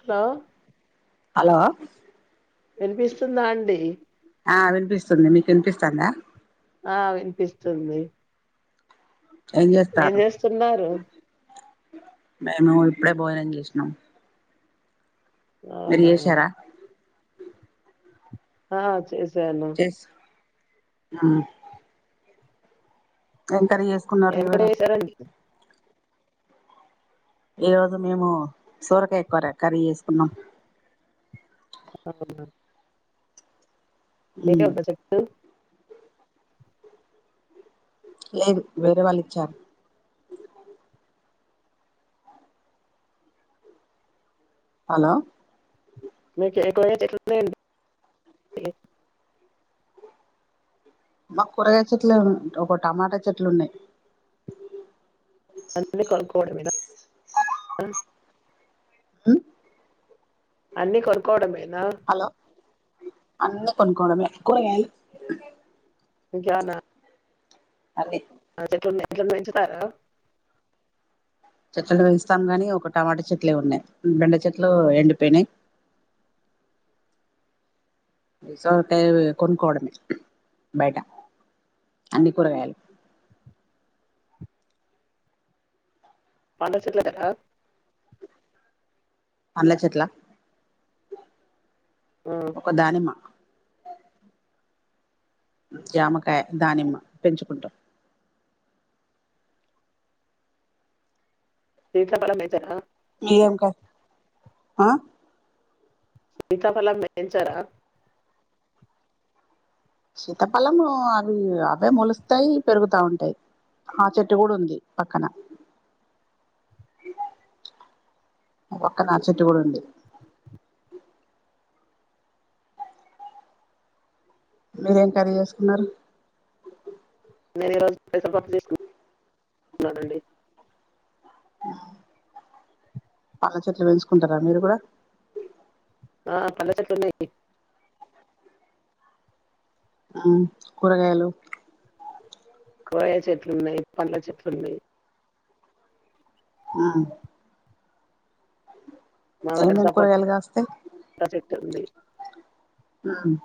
Hello hello వినిపిస్తుందా అండి ఆ వినిపిస్తుంది మీకు వినిపిస్తాందా ఆ వినిపిస్తుంది ఏం చేస్తారు మేము ఇప్పుడే భోజనం చేసినం అవునా ఆ చేసాను ఆ కర్రీ చేసుకున్నారు ఏం కూర ఎవరు చేశారండి ఈ రోజు మేము సొరకాయ కూర కర్రీ చేసుకున్నాం [inaudible] ఉమ్ [inaudible] చెప్పు లేదు వేరే వాళ్ళు ఇచ్చారు హలో మీకు [inaudible] మాకు కూరగాయ చెట్లు ఒక టమాటా చెట్లు ఉన్నాయి అన్ని కొనుక్కోవడమేనా హు అన్నీ కొనుక్కోవడమేనా హలో అన్ని కొనుక్కోవడంమే కూరగాయలు ఇంకేమన్నా అది ఆ చెట్లు ఉన్నాయి చెట్లను పెంచుతారా చెట్లను పెంచుతా గాని ఒక టమాటా చెట్లే ఉన్నాయి బెండ చెట్లు ఎండిపోయినాయి సొరకాయ కొనుక్కోవడమే బయట అన్ని కూరగాయాలు పండ్ల సెట్లు ఉన్నాయా అనగా చెట్ల ఆ ఒక దానిమ్మ జామకాయ దానిమ్మ పెంచుకుంటాం సీతాఫలం పెంచరా ఏం కాయ ఆ సీతాఫలం పెంచారా శీతఫలము అవి అవే మొలుస్తాయి పెరుగుతా ఉంటాయి ఆ చెట్టు కూడా ఉంది పక్కన పక్కన ఆ చెట్టు కూడా ఉంది మీరేం కర్రీ చేసుకున్నారు నేను ఈరోజు పెసరపప్పు తీసుకున్నానండి ఆ పండ్ల చెట్లు పెంచుకుంటారా మీరు కూడా ఆ పండ్ల చెట్లు ఉన్నాయి ఆ కూరగాయలు కూరగాయ చెట్లున్నాయి పండ్ల చెట్లు ఉన్నాయి ఆ మా దగ్గర ఏమేం సపోటా కూరగాయలు కాస్తాయి [unintelligible] ఉమ్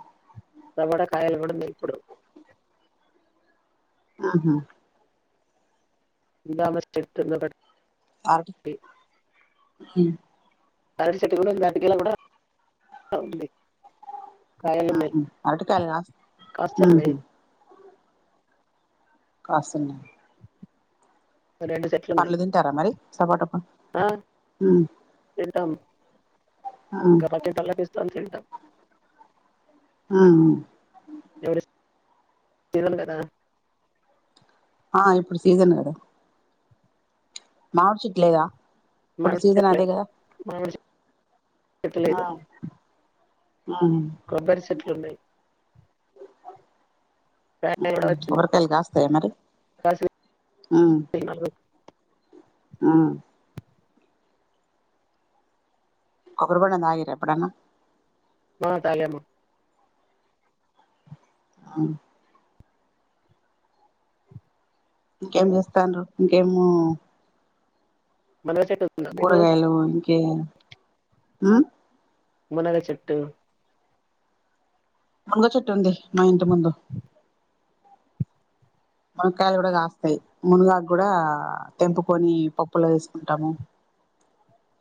టమోటా కాయలు కూడా ఉన్నాయి ఇప్పుడు ఆహా [unintelligible] చెట్టు ఉంది ఒకటి [unintelligible] హుం బాదం చెట్టు కూడా ఉంది అరటి గెల కూడా ఉంది కాయలు ఉన్నాయి ఉహు అరటికాయలు కాస్ ఉహు కాస్తున్నాయ్ కాస్తున్నాయ్ రెండు చెట్లు ఉన్నాయి పండ్లు తింటారా మరి సపోట పండ్లు ఆ ఉమ్ ఉమ్ గర్ర కిట్టాల పిస్తాన్ తింటాం ఉ ఉమ్ ఎవరిస్ సీజన్ గదా ఆ ఇప్పుడు సీజన్ కదా మామిడి చెట్టు లేదా ఇప్పుడు మామిడి సీజన్ చెట్లు అదే కదా మామిడి చెట్టు ఆ లేదు ఆ కొబ్బరి చెట్లున్నాయి ఆ కాయలు కూడా వచ్చినాయి కొబ్బరికాయలు కాస్తాయా మరి కాస్ [unintelligible] ఉమ్ కొబ్బరి బోండం తాగిర్రా ఎప్పుడన్నా ఆ తాగాము ఆ ఇంకేం చేస్తాండ్రూ ఇంకేము మునగ చెట్ కూరగాయలు ఇంకేయి ఉమ్ మునగ చెట్టు మునగ చెట్టు ఉంది మా ఇంటి ముందు మునక్కాయలు కూడా కాస్తాయి మునుగాకు కూడా తెంపుకొని పప్పులో వేసుకుంటాము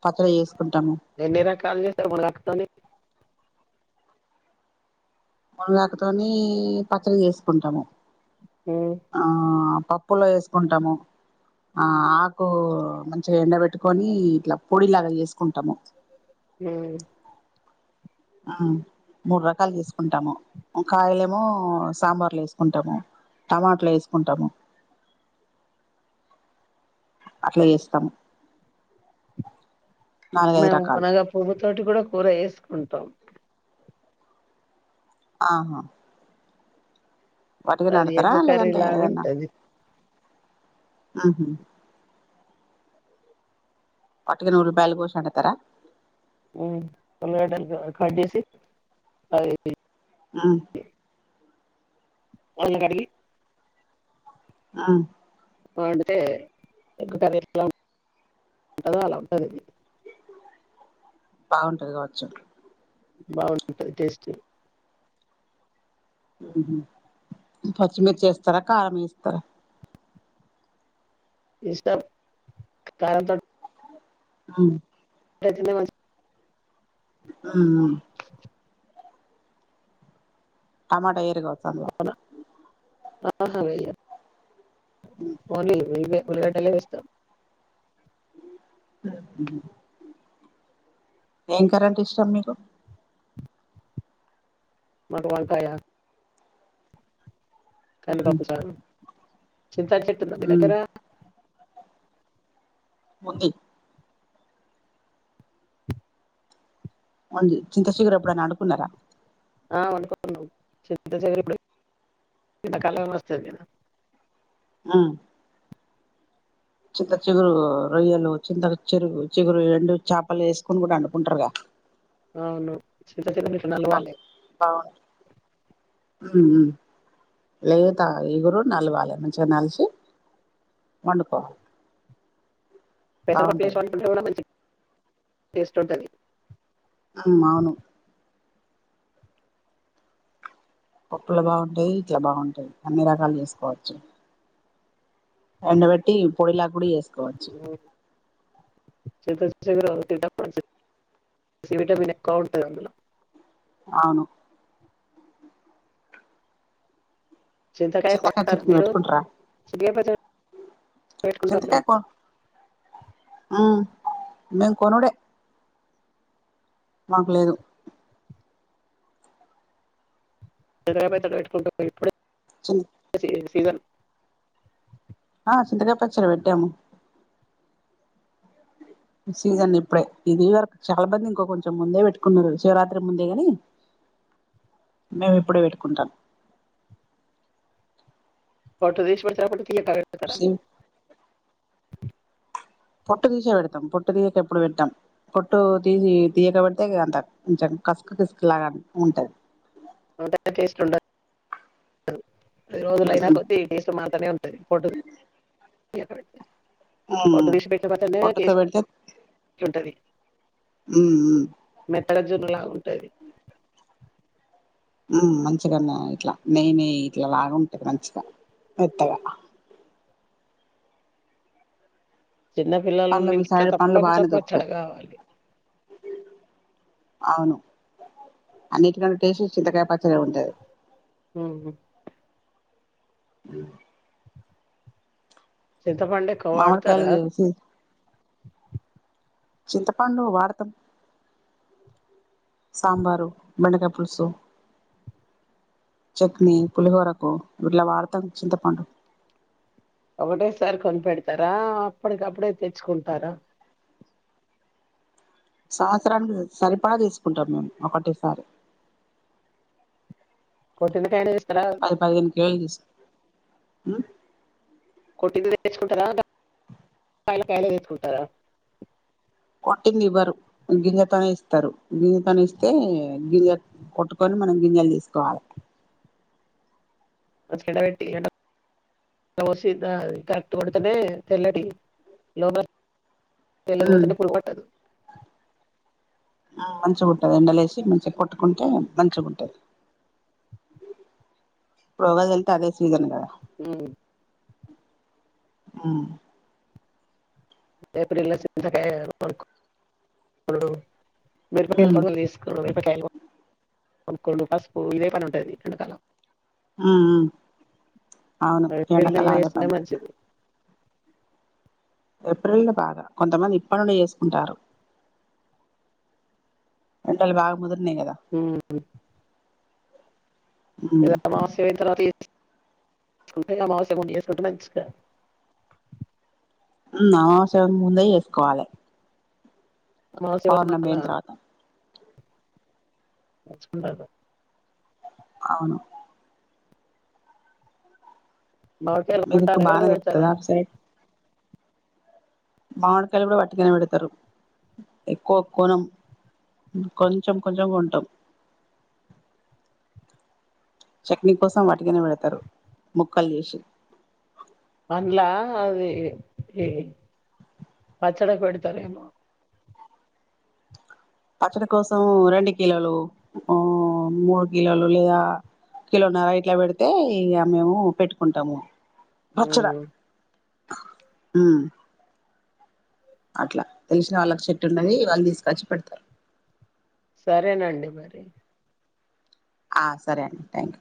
పప్పులో వేసి ఎన్ని రకాలు చేస్తారు మునుగాకు తోని మునగాకతోని పచ్చడి చేసుకుంటాము ఉమ్, ఆ పప్పులో వేసుకుంటాము ఆ ఆకు మంచిగా ఎండబెట్టుకొని ఇట్లా పొడిలాగా చేసుకుంటాము ఉమ్ ఆ మూడు రకాలు చేసుకుంటాము కాయలేమో సాంబార్లు వేసుకుంటాము టమాటలు వేసుకుంటాము అట్ల చేస్తాం మేము మునగా పువ్వు తోటి కూడా కూర చేసుకుంటాం ఆహా వాటికనే అది పెడతారా ఎగ్గు కర్రీ లేదంటే లాగా ఏదన్నా ఉంటది ఉహూ వాటికే నూరు రూపాయల కోసం పెడతారా ఉమ్ ఉల్లిగడ్డలు కడ్జేసి అది ఆ మొన్న కడిగి ఆ వండితే ఎలా ఉంటదో కదా అలా ఉంటది ఇది బాగుంటది కావచ్చు బావుంటది టేస్ట్ పచ్చిమిర్చి వేస్తారా కారం వేస్తారా ఇష్టం కారంతో అ [unintelligible] ఆ టమాట వెయ్యరు కావచ్చు అందుల టమాటా వెయ్యం ఓన్లీ ఉల్లిగడ్డలే వేస్తాం [unintelligible] ఏం కర్రీ అంటే ఇష్టం మీకు మాకు వంకాయ ఉ కందిపప్పు చారు చింత చెట్టు ఉంటుంది ఉ దగ్గర ఉంది చింత చిగురు ఎప్పుడైనా వడుకున్నారా ఆ వండుకున్నాం చింత చిగురు ఇప్పుడు ద కాల వస్త దిన ఆ చింత చిగురు రొయ్యలు చింత చెరు చిగురు రెండు చేపలు వేసుకుని వండుకుంటారు గా అవును చింతచిగురు [unintelligible] హ లేతా ఈగురు నలవాలి మంచిగా నలిసి వండుకోవాలి పెసరపప్పు బాగుంటది వేసుంటుంటే కూడా మంచి టేస్ట్ ఉంటుంది అవును పప్పులు బాగుంటాయి ఇట్లా బాగుంటాయి అన్ని రకాలు చేసుకోవచ్చు ఎండబెట్టి పొడిలాక కూడా చేసుకోవచ్చు చింత చిగురు [unintelligible] సి విటమిన్ ఎక్కువ ఉంటది అందులో అవును చింతకాయ చిత్త కాయ కొంటారా చెట్టుని మీరు పెట్టుకుంటార చినిగే పచ్చడి పెట్టుకుంటాం చింతకా కి మేం కొనుడే మాకులేదు చింతకాయ పచ్చడి పెట్టుకుంట ఇప్పుడే చి సీజన్ ఆ చింతకాయ పచ్చడ పెట్టాము సీజన్ ఇప్పుడే ఇది వరకు చాలా మంది ఇంకోంచెం ముందే పెట్టుకున్నారు శివరాత్రి ముందే గని మేము ఇప్పుడే పెట్టుకుంటం పొట్టుతిశి పెడతర పొటు తియక పెడ్తారా పొట్టు తీసే పెడతాం పొట్టు తీయక ఎప్పుడు పెట్టం పొట్టు తీసి తీయక పెడితే అంత కొంచం కసుకు కిసుకు లా ఉంటది అంట టెస్టుండదు రోజులు అయినా కొద్ది టేస్ట్ మరతనే ఉంటది పొట్టుది తియక పెడితె పొట్టు తీసి పెట్ట పట్టేనే పొట్టుతో టేస్ట్ ఉంటది ఉ ఉ ఎట్ల జొన్నలాగుంటది మంచిగా ఇట్లా నెయ నెయ్యి ఇట్లా లాగా ఉంటది మంచిగా పెత్తగా చిన్నపిల్లలు పండ్లు ఉన్నా మీ ఇంట్ల సైడ్ పండ్లు తప్పకుండా బాగానే పచ్చడ దొరుకుతాయి కావాలి అవును అన్నిటికన్నా టేస్ట్ చింతకాయ పచ్చడి ఉంటది హ అ చింతపండు ఎక్కువ మామిడికాయలు వాడుతారా చేసి చింతపండు వాడతాం సాంబారు బెండకాయ పులుసు చట్నీ పులిహోరకు ఇట్లా వాడతాం చింతపండు ఒకటేసారి కొనిపెడతారా అప్పటికప్పుడే తెచ్చుకుంటారా సంవత్సరానికి సరిపా తీసుకుంటాం మేము ఒకటెసారి కొట్టిన కాయలేసు పది పదిహేను కిలోలు ష్ ఉ కొట్టింది తీసుకుంటారా కాయలు కాయలే తెసుకుంటారా పట్టింది ఇవ్వరు. గింజతోనే ఇస్తరు. గింజతోనే ఇస్తే గింజ కొట్టుకొని మనం గం జలు తీసుకోవాల అడ పెట్టి ఎండ ఓసి కరెక్ట్ కొడుతునే తెల్లటి లోబ తెల్లగ పడతనే పురుగు పట్టదు ఆ మంచిగ ఉంటది. ఎండలే వేసి మంచిగా కొట్టుకుంటే మంచిగ ఉంటది. రోగచల్లితే అదే సీజన్ గద ఉమ్ మ్మ్ ఏప్రిల్ లో చింతకాయ అను కొనుక్కో ఇప్పుడు మిరపకాయలు కొడులు తీసుకో మిరపకాయలు కొనుక్కండు పసుపు ఇదే పని ఉంటది. ఎండకాలం అవును ఏప్రిల్ ఎండాకాలం నెల్లో అదే చేసుకుంటే పని మంచిది ఏప్రిల్ లో బాగా కొంతమంది ఇప్పనుండే చేసుకుంటారు. ఎండలు బాగ ముదిర్నయి కదా ఉమ్. ఇద అమావాస్య పోయిన తరువాత అమవాస్య ముందే చేసుకుంటే మంచిద ఉమ్ అమావాస్య ముందే చేసుకోవాలె అమావాస్య వచ్చి పౌర్ణమి మళ్ళా పోయిన తరువాత చుండద అవును మామిడికాయలు మీకు కొంటారు బానే ఎవరైనా పెడతారా దొరుకుతదా అటు సైడ్ మామిడి కాయలు కూడా వట్టుగనే పెడతారు ఎక్కువ కోనం కొంచం కొంచంగా ఉంటం చట్నీ కోసం వాటికనే పెడతరు ముక్కలు చేసి అందులా అది కి పచ్చడి పెడితారేమో పచ్చడి కోసం రెండు కిలోలు, ఉ మూడు కిలోలు లేదా కిలోన్నర ఇట్లా పెడితే ఇగ మేము పెట్టుకుంటాము. పచ్చడ ఉమ్. ఊ అట్లా తెలిసిన వాళ్ళకి చెట్టు ఉన్నది. వాళ్ళు తీసుకచ్చి పెడతరు. సరేనండి మరి ఆ సరే అండి